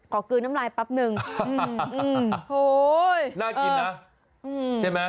ขอกลืนน้ำลายปั๊บหนึ่งโหน่ากินนะใช่ไหม